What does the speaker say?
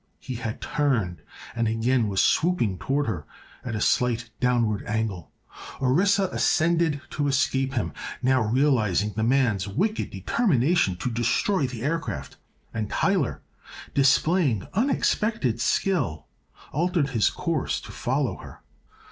He had turned and again was swooping toward her, at a slight downward angle. Orissa ascended to escape him, now realizing the man's wicked determination to destroy the aircraft, and Tyler, displaying unexpected skill, altered his course to follow her.